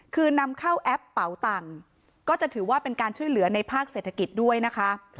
คือนำเข้าแอปเป่าตังค์ก็จะถือว่าเป็นการช่วยเหลือในภาคเศรษฐกิจด้วยนะคะ